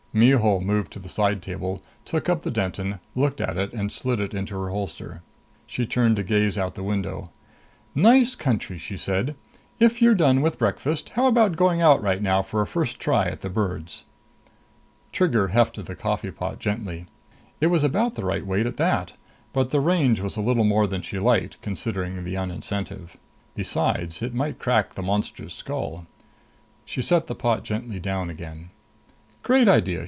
Mihul moved to the side table, took up the Denton, looked at it, and slid it into her holster. She turned to gaze out the window. "Nice country!" she said. "If you're done with breakfast, how about going out right now for a first try at the birds?" Trigger hefted the coffee pot gently. It was about the right weight at that. But the range was a little more than she liked, considering the un incentive. Besides, it might crack the monster's skull. She set the pot gently down again. "Great idea!"